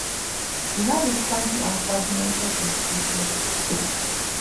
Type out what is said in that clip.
He had a scanty and fragmented education.